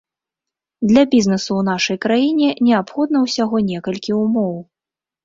Для бізнэсу ў нашай краіне неабходна ўсяго некалькі умоў.